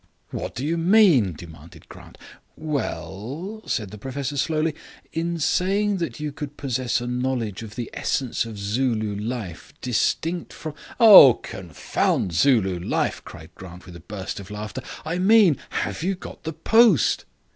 "What do you mean?" demanded Grant. "Well," said the professor slowly, "in saying that you could possess a knowledge of the essence of Zulu life distinct from " "Oh! confound Zulu life," cried Grant, with a burst of laughter. "I mean, have you got the post?"